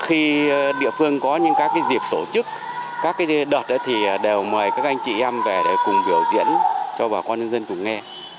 khi địa phương có những các dịp tổ chức các đợt thì đều mời các anh chị em về để cùng biểu diễn cho bà con nhân dân cùng nghe